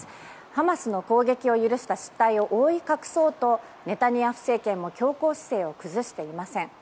ハマスの攻撃を許した失態を覆い隠そうと、ネタニヤフ政権も強硬姿勢を崩していません。